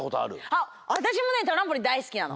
あっわたしもねトランポリンだいすきなの。